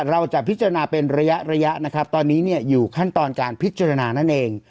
เราจะพิจารณาเป็นระยะระยะนะครับตอนนี้เนี่ยอยู่ขั้นตอนการพิจารณานั่นเอง